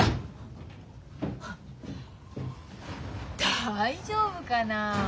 大丈夫かなあ。